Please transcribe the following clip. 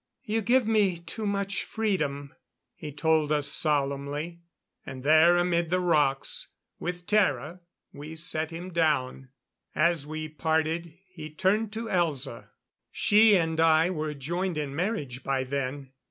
"You give me too much freedom," he told us solemnly. And there amid the rocks, with Tara we set him down. As we parted, he turned to Elza. She and I were joined in marriage by then.